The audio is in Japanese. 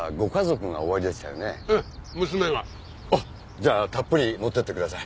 じゃあたっぷり持ってってください。